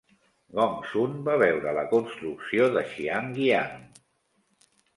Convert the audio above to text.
Gongsun va veure la construcció de Xiangyang.